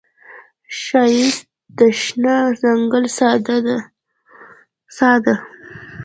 ښایست د شنه ځنګل ساه ده